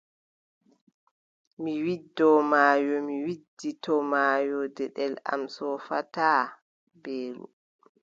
Mi widdoo maayo, mi widditoo maayo, deɗel am soofataa, mbeelu !